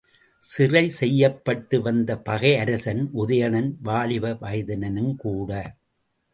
சிறை செய்யப்பட்டு வந்த பகையரசன் உதயணன், வாலிப வயதினனுங்கூட.